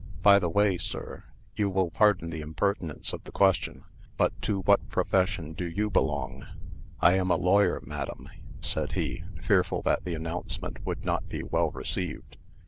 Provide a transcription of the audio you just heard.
"By the way, sir you will pardon the impertinence of the question but to what profession do you belong?" "I am a lawyer, madam," said he, fearful that the announcement would not be well received.